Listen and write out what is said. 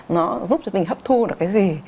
nó giúp cho mình hấp thu được cái gì